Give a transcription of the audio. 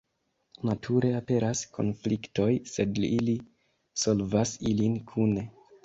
Nature, aperas konfliktoj, sed ili solvas ilin kune.